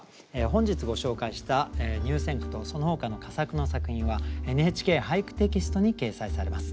本日ご紹介した入選句とそのほかの佳作の作品は「ＮＨＫ俳句」テキストに掲載されます。